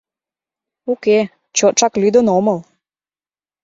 — Уке, чотшак лӱдын омыл.